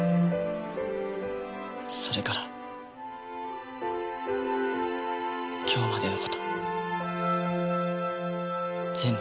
それから今日までの事全部。